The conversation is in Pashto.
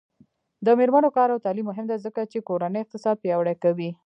د میرمنو کار او تعلیم مهم دی ځکه چې کورنۍ اقتصاد پیاوړی کوي.